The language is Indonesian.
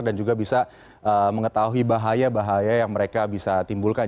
dan juga bisa mengetahui bahaya bahaya yang mereka bisa timbulkan